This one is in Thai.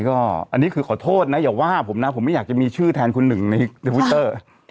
ก็อันนี้คือขอโทษนะอย่าว่าผมนะผมไม่อยากจะมีชื่อแทนคุณหนึ่งในทวิตเตอร์